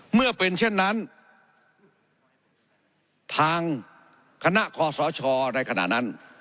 เมื่อเป็นเช่นนั้นทางคณะคอสชในขณะนั้น